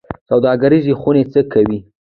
سوداګرۍ خونې څه کوي؟